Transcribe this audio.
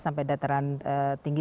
sampai dataran tinggi